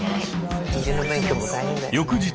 翌日。